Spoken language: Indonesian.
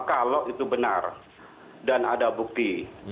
kalau itu benar dan ada bukti